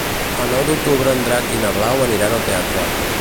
El nou d'octubre en Drac i na Blau aniran al teatre.